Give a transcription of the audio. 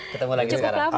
cukup lama ya